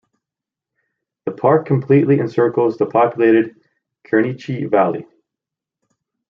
The park completely encircles the populated Kerinci valley.